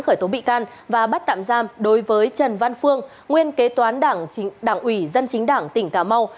khởi tố bị can và bắt tạm giam đối với trần văn phương nguyên kế toán đảng ủy dân chính đảng tỉnh cà mau